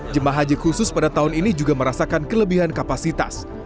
jemaah haji khusus pada tahun ini juga merasakan kelebihan kapasitas